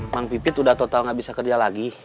mang pipit udah total gak bisa kerja lagi